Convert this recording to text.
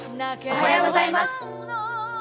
おはようございます。